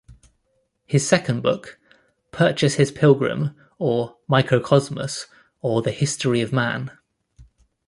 His second book, Purchas his Pilgrim or Microcosmus, or the Historie of Man.